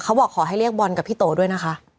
บอกขอให้เรียกบอลกับพี่โตด้วยนะคะ